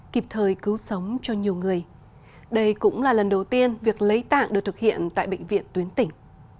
kịp thời cứu sống cho nhiều người đây cũng là lần đầu tiên việc lấy tạng được thực hiện tại bệnh viện tuyến tỉnh